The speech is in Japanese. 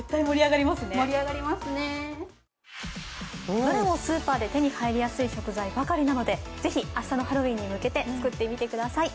どれもスーパーで手に入りやすい食材ばかりなのでぜひ明日のハロウィーンに向けて作ってみてください。